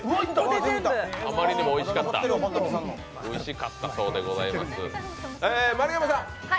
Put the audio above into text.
あまりにもおいしかったそうでございます。